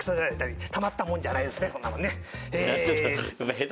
たまったもんじゃないですね。